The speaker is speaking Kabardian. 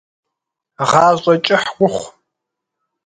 Гъащӏэ кӏыхь ухъу.